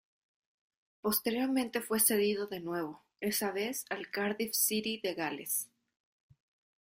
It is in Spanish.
Posteriormente fue cedido de nuevo, esa vez al Cardiff City de Gales.